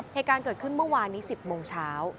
เหตุการณ์เกิดขึ้นเมื่อวานนี้๑๐โมงเช้า